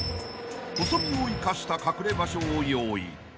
［細身を生かした隠れ場所を用意］